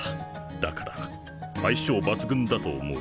だから相性抜群だと思うが？